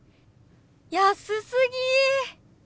安すぎ！